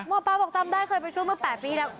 หมอปลาบอกจำได้เคยไปช่วยเมื่อ๘ปีแล้ว